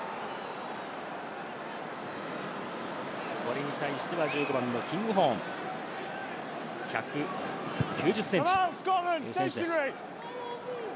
これに対しては１５番のキングホーン、１９０センチという選手です。